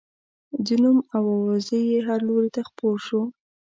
د نوم او اوازې یې هر لوري ته خپور شو.